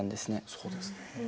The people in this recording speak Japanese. そうですね。